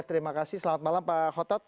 terima kasih selamat malam pak khotot